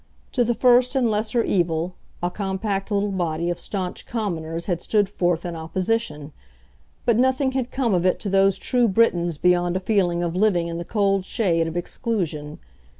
To the first and lesser evil, a compact little body of staunch Commoners had stood forth in opposition, but nothing had come of it to those true Britons beyond a feeling of living in the cold shade of exclusion.